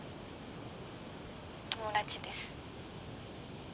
友達です。